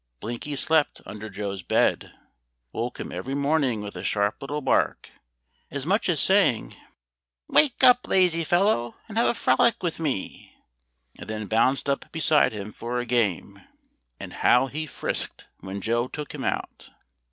Blinky slept under Joe's bed, woke him every morning with a sharp little bark, as much as saying, "Wake up, lazy fellow, and have a frolic with me," and then bounced up beside him for a game. And how he frisked when Joe took him out!